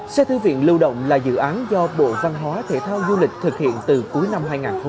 xe thư viện lưu động là dự án do bộ văn hóa thể thao du lịch thực hiện từ cuối năm hai nghìn một mươi tám